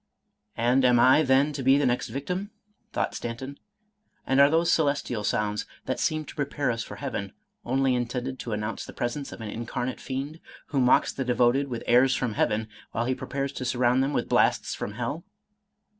" And am I then to be the next victim ?" thought Stanton ;" and are those celestial sounds, that seem to prepare us for heaven, only intended to announce the presence of an incarnate fiend, who mocks the devoted with * airs from heaven,' while he prepares to surround them with 'blasts from hell'?"